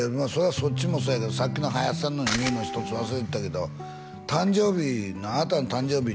そっちもそうやけどさっきの林さんの言うの一つ忘れてたけど誕生日「あなたの誕生日に」